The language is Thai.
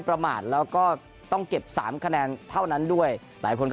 ประมาทแล้วก็ต้องเก็บ๓คะแนนเท่านั้นด้วยหลายคนก็